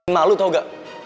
malu tau gak